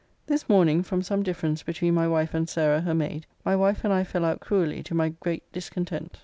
This morning, from some difference between my wife and Sarah, her maid, my wife and I fell out cruelly, to my great discontent.